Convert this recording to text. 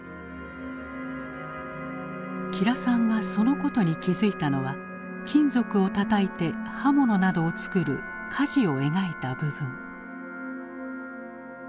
吉良さんがそのことに気付いたのは金属をたたいて刃物などを作る鍛冶を描いた部分。